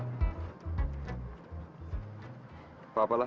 hai apa apa lah